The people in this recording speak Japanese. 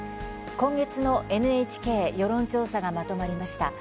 今月のＮＨＫ世論調査がまとまりました。